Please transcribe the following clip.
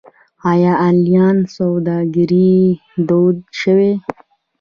آیا آنلاین سوداګري دود شوې؟